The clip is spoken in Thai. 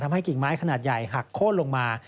ทำให้กิ่งไม้ขนาดใหญ่หักโค้ดลงมา